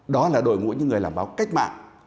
đó là đội ngũ những người làm báo cách mạng